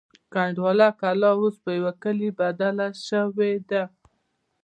کنډواله کلا اوس په یوه کلي بدله شوې ده.